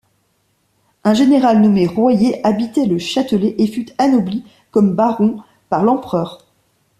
Un général nommé Royer habitait le Châtelet et fut anobli comme baron par l'empereur.